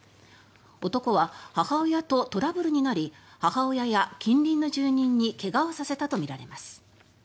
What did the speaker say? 男は母親とトラブルになり母親や近隣の住人に怪我をさせたとみられます。